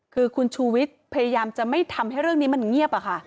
คือคุณชูวิทย์พยายามจะไม่ทำให้เรื่องนี้มันเงียบอะค่ะ